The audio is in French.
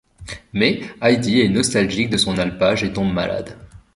Mais Heidi est nostalgique de son alpage et tombe malade.